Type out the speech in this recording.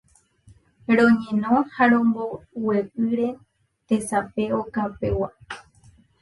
Roñeno ha rombogue'ỹre tesape okapegua